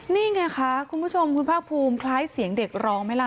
นี่ไงคะคุณผู้ชมคุณภาคภูมิคล้ายเสียงเด็กร้องไหมล่ะ